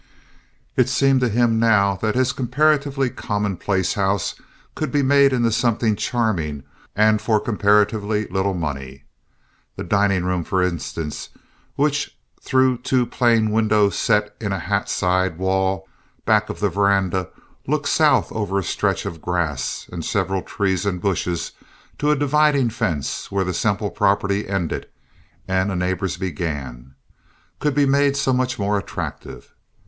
It seemed to him now that his comparatively commonplace house could be made into something charming and for comparatively little money. The dining room for instance which, through two plain windows set in a hat side wall back of the veranda, looked south over a stretch of grass and several trees and bushes to a dividing fence where the Semple property ended and a neighbor's began, could be made so much more attractive.